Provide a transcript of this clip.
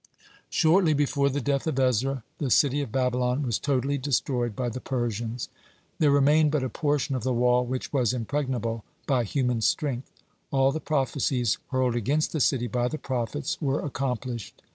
Shortly before the death of Ezra, the city of Babylon was totally destroyed by the Persians. There remained but a portion of the wall which was impregnable by human strength. (54) All the prophecies hurled against the city by the prophets were accomplished.